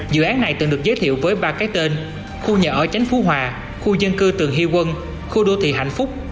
dự án này từng được giới thiệu với ba cái tên khu nhà ở chánh phú hòa khu dân cư tường hi quân khu đô thị hạnh phúc